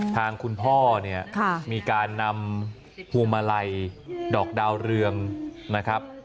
ทางคุณพ่อเนี่ยมีการนำพวงมาลัยดอกดาวเรืองนะครับ